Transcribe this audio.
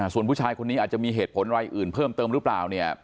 ส่วนผู้ชายคนนี้อาจจะมีเหตุผลอะไรอื่นเพิ่มเติมหรือเปล่าเนี่ย